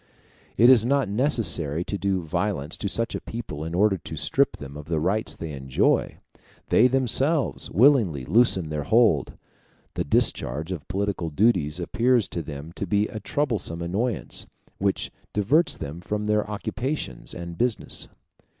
It is not necessary to do violence to such a people in order to strip them of the rights they enjoy; they themselves willingly loosen their hold. The discharge of political duties appears to them to be a troublesome annoyance, which diverts them from their occupations and business.